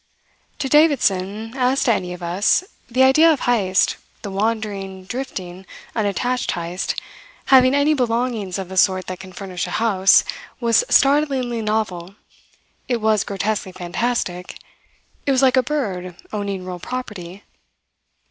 To Davidson, as to any of us, the idea of Heyst, the wandering drifting, unattached Heyst, having any belongings of the sort that can furnish a house was startlingly novel. It was grotesquely fantastic. It was like a bird owning real property.